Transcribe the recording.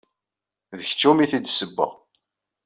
D kečč umi t-id-ssewweɣ.